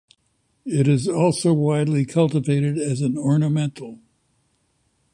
It is also widely cultivated as an ornamental.